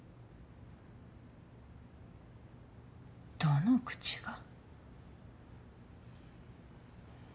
どの口が。